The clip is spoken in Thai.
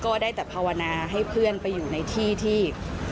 ก็ได้แต่ภาวนาให้เพื่อนไปอยู่ในที่ที่